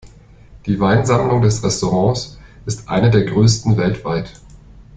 Die Weinsammlung des Restaurants ist eine der größten weltweit.